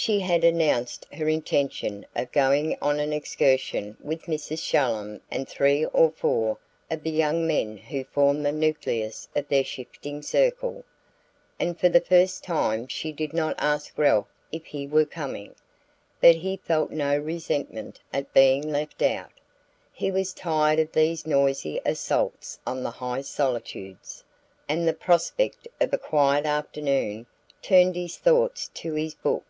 She had announced her intention of going on an excursion with Mrs. Shallum and three or four of the young men who formed the nucleus of their shifting circle, and for the first time she did not ask Ralph if he were coming; but he felt no resentment at being left out. He was tired of these noisy assaults on the high solitudes, and the prospect of a quiet afternoon turned his thoughts to his book.